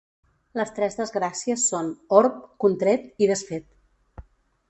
Les tres desgràcies són: orb, contret i desfet.